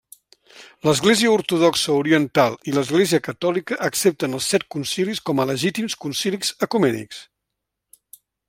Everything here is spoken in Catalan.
L'Església Ortodoxa Oriental i l'Església Catòlica accepten els set concilis com a legítims concilis ecumènics.